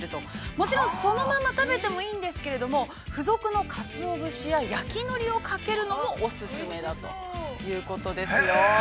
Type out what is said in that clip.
もちろんそのまま食べてもいいんですけれども付属のかつおぶしや焼き海苔をかけるのもおすすめだということですよ。